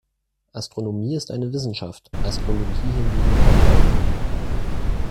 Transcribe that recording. Astronomie ist eine Wissenschaft, Astrologie hingegen ein Glaube.